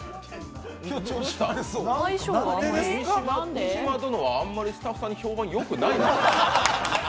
三島殿はあんまりスタッフさんに評判よくない？